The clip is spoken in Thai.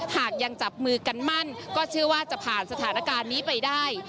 หากยังจับมือกันมั่นก็เชื่อว่าจะผ่านสถานการณ์นี้ไปได้